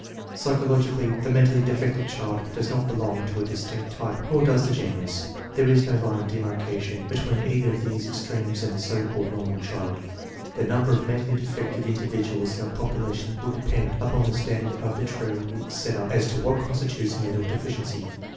Psychologically, the mentally defective child does not belong to a distinct type, nor does the genius. There is no line of demarcation between either of these extremes and the so called " nor mal " child. The number of mentally defective individuals in a population will depend upon the standard arbitrarily set up as to what constitutes mental deficiency.